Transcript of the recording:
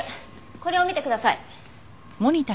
これを見てください。